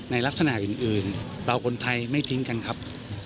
ในลักษณะอื่นเราคนไทยไม่ทิ้งกันครับ